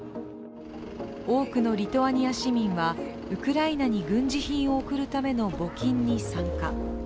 多くのリトアニア市民は、ウクライナに軍事品を送るための募金に参加。